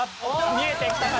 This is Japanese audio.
見えてきたか？